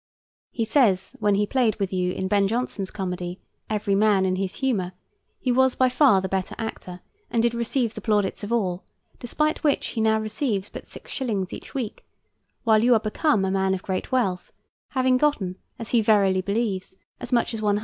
He says when he played with you in Ben Jonson's comedy, "Every Man in his Humor," he was by far the better actor and did receive the plaudits of all; despite which he now receives but 6 shillings each week, while you are become a man of great wealth, having gotten, as he verily believes, as much as £100.